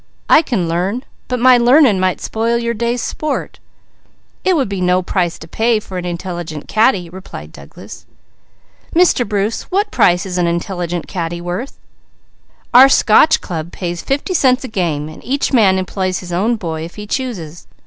I can learn, but my learning might spoil your day's sport." "It would be no big price to pay for an intelligent caddy," replied Douglas. "Mr. Bruce, what price is an intelligent caddy worth?" "Our Scotch Club pays fifty cents a game and each man employs his own boy if he chooses.